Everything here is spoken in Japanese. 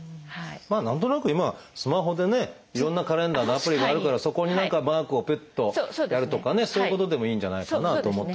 まあ何となく今はスマホでねいろんなカレンダーのアプリがあるからそこに何かマークをピッとやるとかねそういうことでもいいんじゃないかなと思ったり。